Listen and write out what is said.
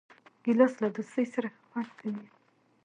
ګیلاس له دوست سره ښه خوند کوي.